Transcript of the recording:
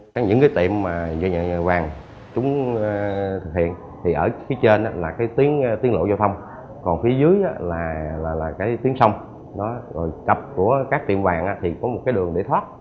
trong những cái tiệm mà doanh nghiệp vàng chúng thực hiện thì ở phía trên là cái tiếng lộ giao thông còn phía dưới là cái tiếng sông rồi cặp của các tiệm vàng thì có một cái đường để thoát